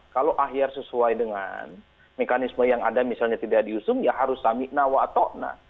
kalau ahyar sesuai dengan mekanisme yang ada misalnya tidak diusung ya harus samikna wa atokna ⁇